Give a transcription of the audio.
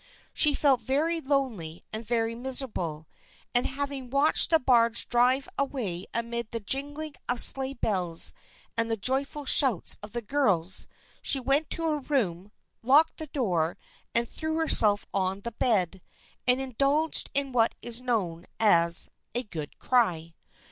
She felt very lonely and very miserable, and having watched the barge drive away amid the jingling of sleigh bells and the joyful shouts of the girls, she went to her room, locked the door and threw herself on the bed, and indulged in what is known as " a good cry."